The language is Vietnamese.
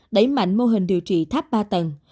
đẩy mạnh mô hình điều trị tháp ba tầng